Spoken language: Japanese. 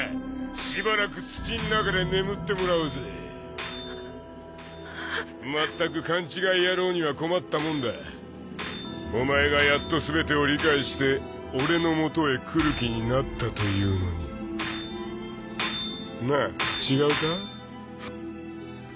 しばらく土ん中で眠ってもらうぜまったく勘違い野郎には困ったもんだお前がやっと全てを理解して俺のもとへ来る気になったというのになあ違うか？